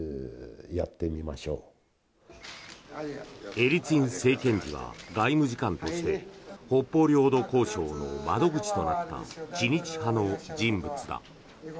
エリツィン政権時は外務次官として北方領土交渉の窓口となった知日派の人物だ。